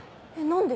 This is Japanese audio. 何で？